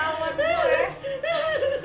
dan gak mau nolotin bu